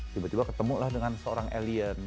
tiba tiba ketemulah dengan seorang alien